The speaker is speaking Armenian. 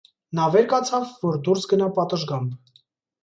Նա վեր կացավ, որ դուրս գնա պատշգամբ: